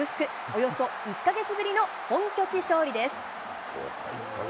およそ１か月ぶりの本拠地勝利です。